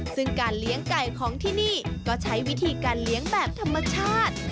ซึ่งการเลี้ยงไก่ของที่นี่ก็ใช้วิธีการเลี้ยงแบบธรรมชาติ